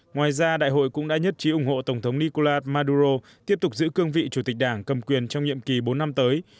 ngoài ra đại hội cũng đã nhất trí ủng hộ tổng thống nicolas maduro tiếp tục giữ cương vị chủ tịch đảng cầm quyền trong nhiệm kỳ bốn năm tới